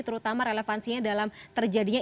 terutama relevansinya dalam terjadinya